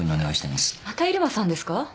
また入間さんですか？